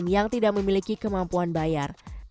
yang tidak memiliki kemampuan bayar